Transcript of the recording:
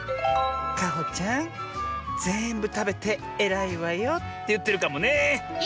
「かほちゃんぜんぶたべてえらいわよ」っていってるかもね！